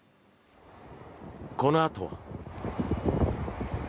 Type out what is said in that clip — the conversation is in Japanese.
このあとは。